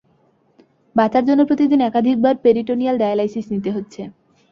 বাঁচার জন্য প্রতিদিন একাধিকবার পেরিটোনিয়াল ডায়ালাইসিস নিতে হচ্ছে।